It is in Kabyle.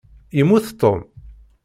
Yemmut Tom?